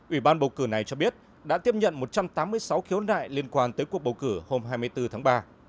ủy ban bầu cử này cho biết đã tiếp nhận một trăm tám mươi sáu khiếu nại liên quan tới cuộc bầu cử hôm hai mươi bốn tháng ba